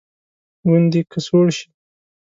ګوندې که سوړ شي.